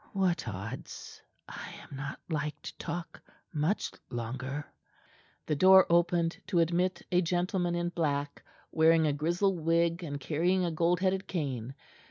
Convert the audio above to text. "What odds? I am not like to talk much longer." The door opened to admit a gentleman in black, wearing a grizzle wig and carrying a gold headed cane.